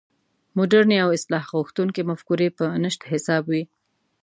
مډرنې او اصلاح غوښتونکې مفکورې په نشت حساب وې.